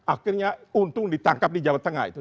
akhirnya untung ditangkap di jawa tengah itu